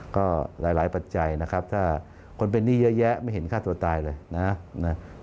ก็หลายปัจจัยนะครับถ้าคนเป็นหนี้เยอะแยะไม่เห็นฆ่าตัวตายเลยนะ